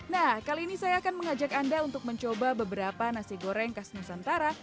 nah kali ini saya akan mengajak anda untuk mencoba beberapa nasi goreng khas nusantara